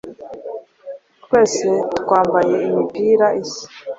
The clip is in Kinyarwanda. twese twambaye imipira isa.